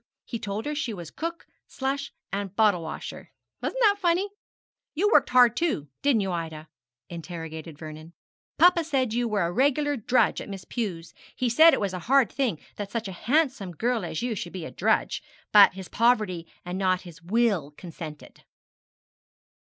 He told her she was cook, slush, and bottle washer. Wasn't that funny? You worked hard too, didn't you, Ida?' interrogated Vernon. 'Papa said you were a regular drudge at Miss Pew's. He said it was a hard thing that such a handsome girl as you should be a drudge, but his poverty and not his will consented.'